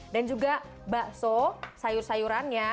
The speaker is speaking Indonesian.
dan juga bakso sayur sayurannya